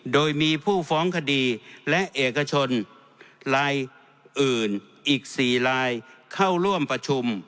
โดยมีผู้ฟ้องคดีและเอกชนลายอื่นอีก๔ลายเข้าร่วมประชุม